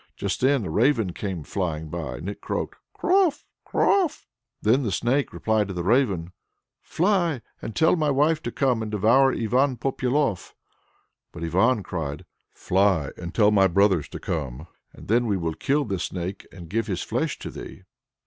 Just then a raven came flying by, and it croaked: "Krof? Krof!" Then the Snake cried to the Raven, "Fly, and tell my wife to come and devour Ivan Popyalof." But Ivan cried: "Fly, and tell my brothers to come, and then we will kill this Snake, and give his flesh to thee."